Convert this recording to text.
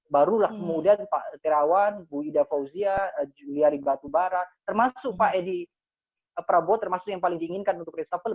barulah kemudian pak terawan bu ida fauzia juliari batubara termasuk pak edi prabowo termasuk yang paling diinginkan untuk reshuffle